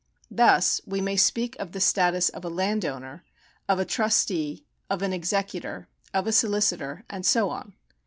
Thus we may speak of the status of a landowner, of a trustee, of an executor, of a solicitor, and so on.